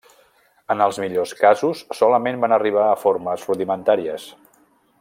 En els millors casos solament van arribar a formes rudimentàries.